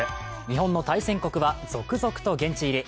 日本の対戦国は続々と現地入り。